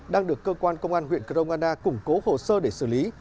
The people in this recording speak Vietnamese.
đang được cơ quan công an huyện crong anna củng cố hồ sơ để xử lý